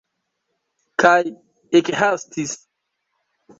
Kaj ekhastis.